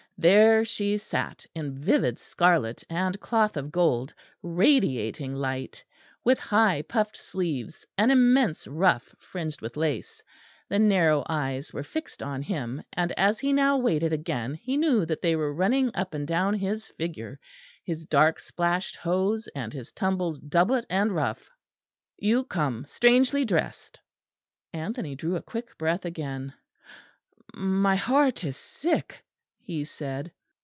There she sat in vivid scarlet and cloth of gold, radiating light; with high puffed sleeves; an immense ruff fringed with lace. The narrow eyes were fixed on him, and as he now waited again, he knew that they were running up and down his figure, his dark splashed hose and his tumbled doublet and ruff. "You come strangely dressed." Anthony drew a quick breath again. "My heart is sick," he said.